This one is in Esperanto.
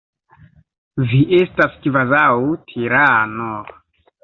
Vi estas kvazaŭ tirano.